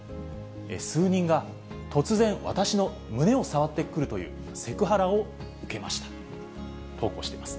数人が、突然私の胸を触ってくるというセクハラを受けましたと投稿しています。